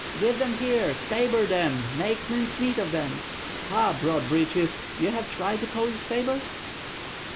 "Give them here! Sabre them, make mince meat of them!" "Ha, broad breeches! ye have tried the Polish sabres?"